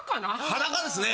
裸ですね。